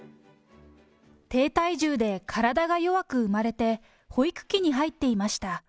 低体重で体が弱く生まれて、保育器に入っていました。